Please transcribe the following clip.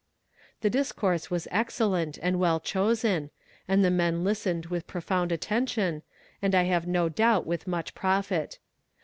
The discourse was excellent and well chosen, and the men listened with profound attention, and I have no doubt with much profit.